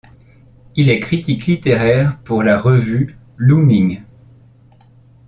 Il est critique littéraire pour la revue Looming.